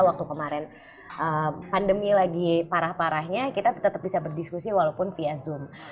waktu kemarin pandemi lagi parah parahnya kita tetap bisa berdiskusi walaupun via zoom